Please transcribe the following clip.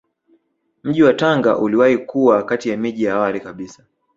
Mji wa Tanga uliwahi kuwa kati ya miji ya awali kabisa